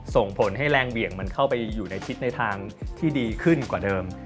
ส่งผลให้แรงเบี่ยงมันเข้าไปอยู่ในทิศในทางที่ดีขึ้นกว่าเดิม